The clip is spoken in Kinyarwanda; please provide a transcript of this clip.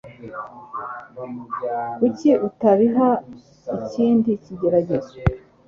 Kuki utabiha ikindi kigeragezo?